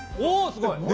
すごい！